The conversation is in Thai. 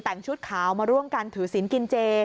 แต่งชุดขาวมาร่วมกันถือศิลป์กินเจ